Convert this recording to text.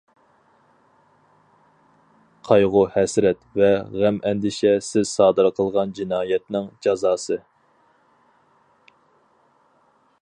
قايغۇ-ھەسرەت ۋە غەم-ئەندىشە سىز سادىر قىلغان جىنايەتنىڭ جازاسى.